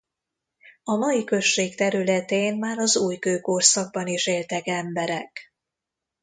A mai község területén már az újkőkorszakban is éltek emberek.